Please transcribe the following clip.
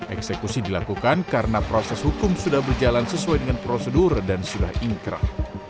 eksekusi dilakukan karena proses hukum sudah berjalan sesuai dengan prosedur dan sudah ingkrah